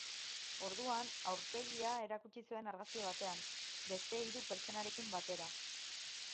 Orduan aurpegia erakutsi zuen argazki batean, beste hiru pertsonarekin batera.